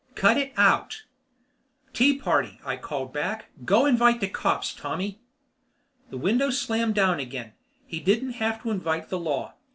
Cut it out!" "Tea party," I called back. "Go invite the cops, Tommy." The window slammed down again. He didn't have to invite the law.